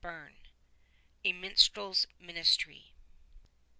91 A MINSTREL'S MINISTRY.